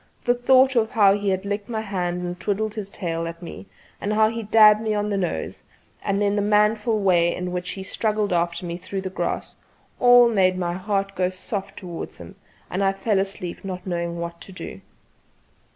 The thought of how he had licked my hand and twiddled his tail at me, and how he dabbed me on the nose, and then the manful way in which he had struggled after me through the grass, all made my heart go soft towards him, and I fell asleep not knowing what to do.